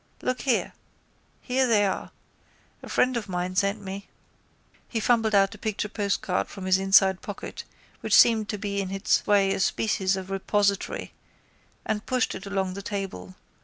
Look here. Here they are. A friend of mine sent me. He fumbled out a picture postcard from his inside pocket which seemed to be in its way a species of repository and pushed it along the table.